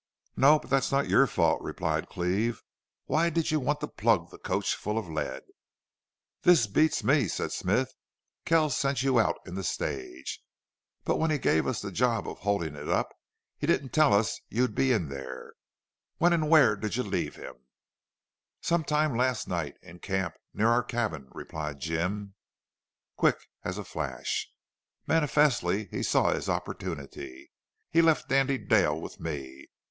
"No. But that's not your fault," replied Cleve. "Why did you want to plug the coach full of lead?" "This beats me," said Smith. "Kells sent you out in the stage! But when he gave us the job of holdin' it up he didn't tell us you'd be in there.... When an' where'd you leave him?" "Sometime last night in camp near our cabin," replied Jim, quick as a flash. Manifestly he saw his opportunity "He left Dandy Dale with me.